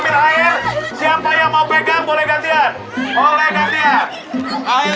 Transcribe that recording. kainnya adjustinang ini pun kliknya